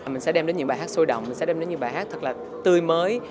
mình sẽ đem đến những bài hát sôi động mình sẽ đem đến những bài hát thật là tươi mới